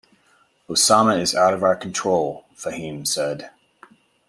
"Osama is out of our control," Fahim said.